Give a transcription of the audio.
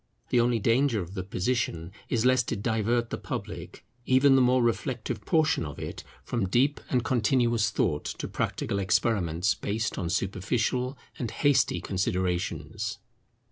The only danger of the position is lest it divert the public, even the more reflective portion of it, from deep and continuous thought, to practical experiments based on superficial and hasty considerations.